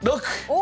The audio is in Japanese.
お！